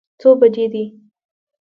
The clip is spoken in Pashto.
څو بجې دي.